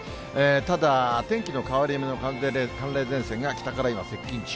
ただ天気の変わり目の寒冷前線が北から今、接近中。